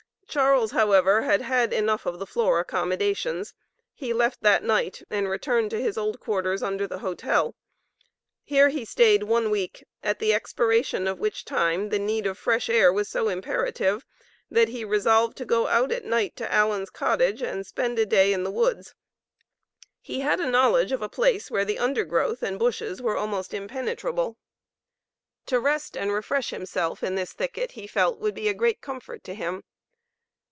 Charles, however, had had enough of the floor accommodations. He left that night and returned to his old quarters under the hotel. Here he stayed one week, at the expiration of which time the need of fresh air was so imperative, that he resolved to go out at night to Allen's cottage and spend a day in the woods. He had knowledge of a place where the undergrowth and bushes were almost impenetrable. To rest and refresh himself in this thicket he felt would be a great comfort to him.